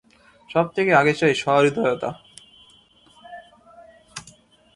সব থেকে আগে চাই সহৃদয়তা।